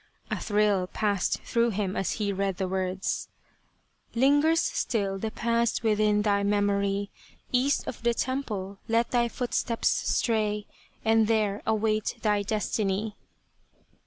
A thrill passed through him as he read the words : Lingers still the past within thy memory, East of the Temple let thy footsteps stray And there await thy destiny